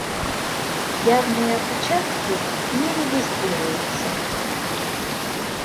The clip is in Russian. Явные опечатки не регистрируются.